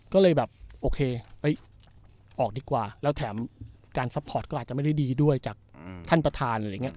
ก็เลยแบบโอเคออกดีกว่าแล้วแถมการซัพพอร์ตก็อาจจะไม่ได้ดีด้วยจากท่านประธานอะไรอย่างนี้